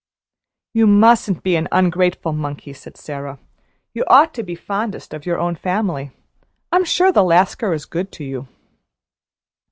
"You mustn't be an ungrateful monkey," said Sara. "You ought to be fondest of your own family. I am sure the Lascar is good to you."